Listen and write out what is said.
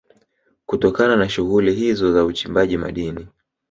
Kutokana na shughuli hizo za uchimbaji madini